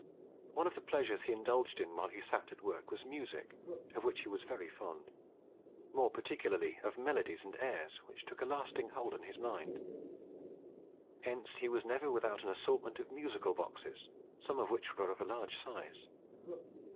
One of the pleasures he indulged in while he sat at work was Music, of which he was very fond, more particularly of melodies and airs which took a lasting hold on his mind. Hence he was never without an assortment of musical boxes, some of which were of a large size.